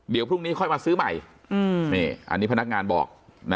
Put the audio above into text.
เดี๋ยวพรุ่งนี้ค่อยมาซื้อใหม่อันนี้พนักงานบอก